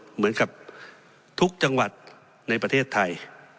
เหมือนกับทุกจังหวัดในประเทศไทย